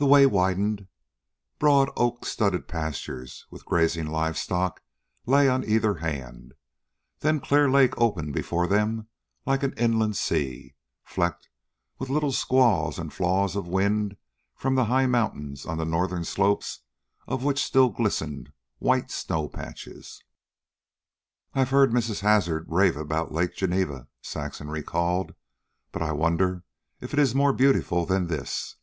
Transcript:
The way widened. Broad, oak studded pastures with grazing livestock lay on either hand. Then Clear Lake opened before them like an inland sea, flecked with little squalls and flaws of wind from the high mountains on the northern slopes of which still glistened white snow patches. "I've heard Mrs. Hazard rave about Lake Geneva," Saxon recalled; "but I wonder if it is more beautiful than this."